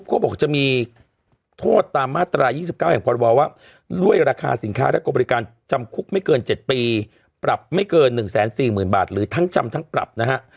ว่ารวยราคาสินค้าและกรบริการจำคุกไม่เกิน๗ปีปรับไม่เกิน๑๔๐๐๐๐บาทหรือทั้งจำทั้งปรับนะฮะ